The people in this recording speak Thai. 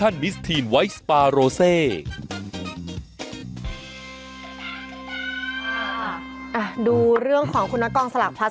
ดูเรื่องของคุณนักกองสลากพลัส